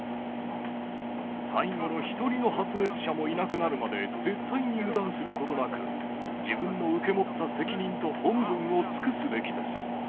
最後の一人の発熱者もいなくなるまで、絶対に油断することなく、自分の受け持った責任と本分を尽くすべきです。